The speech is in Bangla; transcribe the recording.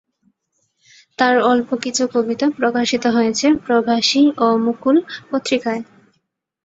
তার অল্প কিছু কবিতা প্রকাশিত হয়েছে "প্রবাসী" ও "মুকুল" পত্রিকায়।